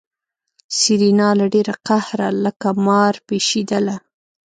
سېرېنا له ډېره قهره لکه مار پشېدله.